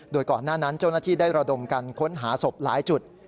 โดยก่อนหน้านั้นเจ้าหน้าที่ได้ระดมกันค้นหาศพหลายจุด